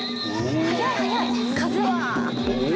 速い速い！風！